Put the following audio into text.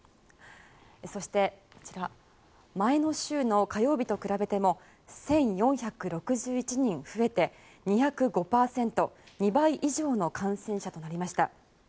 そして前の週の火曜日と比べても１４６１人増えて２０５％２倍以上の感染者となりました。